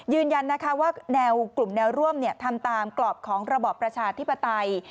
ยืนยันนะคะว่าแนวกลุ่มแนวร่วมทำตามกรอบของระบอบประชาธิปไตย